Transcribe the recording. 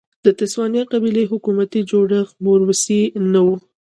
د تسوانا قبایلي حکومتي جوړښت موروثي نه و.